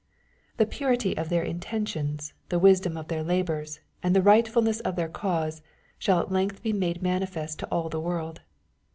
The purity of their intentions, the wisdom of their labors, and the rightfulness of their cause, shall at length be made manifest to all the world.